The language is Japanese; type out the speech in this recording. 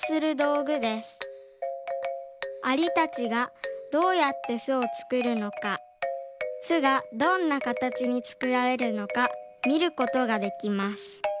アリたちがどうやってすをつくるのかすがどんなかたちにつくられるのかみることができます。